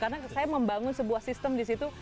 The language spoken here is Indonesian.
karena saya membangun sebuah sistem disitu